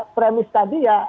premis tadi ya